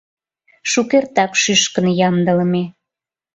Шукертак шӱшкын ямдылыме.